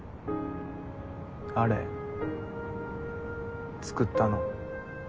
あれ作ったの。